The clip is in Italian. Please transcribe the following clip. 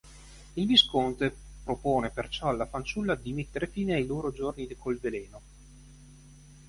Il visconte propone perciò alla fanciulla di mettere fine ai loro giorni col veleno.